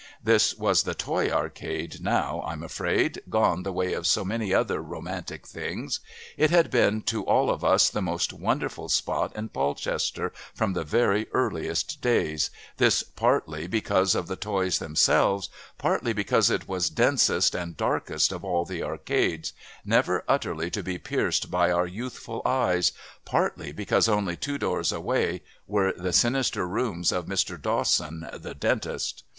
This was the Toy Arcade, now, I'm afraid, gone the way of so many other romantic things. It had been to all of us the most wonderful spot in Polchester from the very earliest days, this partly because of the toys themselves, partly because it was the densest and darkest of all the Arcades, never utterly to be pierced by our youthful eyes, partly because only two doors away were the sinister rooms of Mr. Dawson, the dentist.